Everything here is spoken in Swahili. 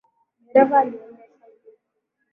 Dereva anaendesha mbio.